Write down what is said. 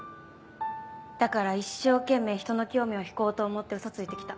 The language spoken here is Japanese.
だから一生懸命ひとの興味を引こうと思って嘘ついて来た。